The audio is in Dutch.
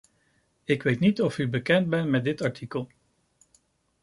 Ik weet niet of u bekend bent met dit artikel.